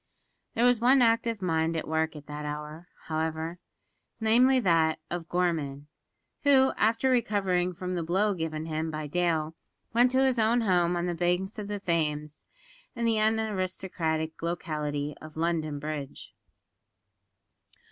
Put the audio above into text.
There was one active mind at work at that hour, however namely, that of Gorman who, after recovering from the blow given him by Dale, went to his own home on the banks of the Thames, in the unaristocratic locality of London Bridge.